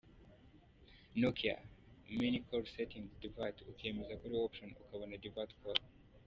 Nokia : menu-call setting –divert- ukemeza kuri option- ukabona Divert call.